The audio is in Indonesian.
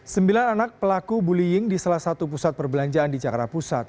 sembilan anak pelaku bullying di salah satu pusat perbelanjaan di jakarta pusat